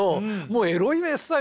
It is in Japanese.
もう。